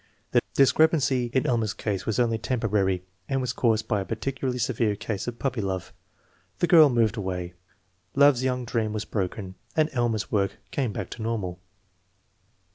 The discrepancy in Elmer's case was only temporary and was caused by a particularly severe case of "puppy love." The girl moved away, love's young dream was broken, and Elmer's work came back to normal.